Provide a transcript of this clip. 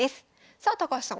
さあ高橋さん